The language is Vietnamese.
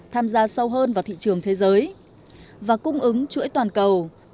tham gia sâu hơn vào thị trường thế giới và cung ứng chuỗi toàn cầu